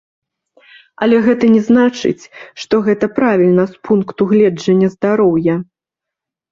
Але гэта не значыць, што гэта правільна з пункту гледжання здароўя.